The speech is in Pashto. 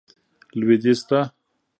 لوېدیځ ته.